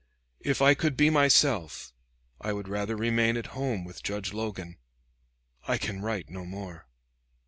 If I could be myself, I would rather remain at home with Judge Logan. I can write no more.